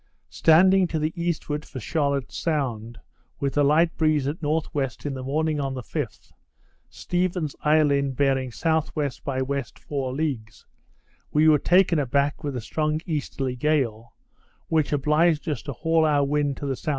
Standing to the eastward for Charlotte's Sound, with a light breeze at N.W., in the morning on the 5th, Stephens Island bearing S.W. by W. four leagues, we were taken a back with a strong easterly gale, which obliged us to haul our wind to the S.E.